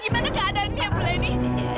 gimana keadaannya bu laini